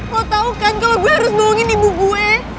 lo tau kan kalo gue harus bohongin ibu gue